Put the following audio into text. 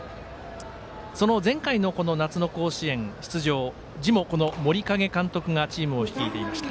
その前回の夏の甲子園出場時もこの森影監督がチームを率いていました。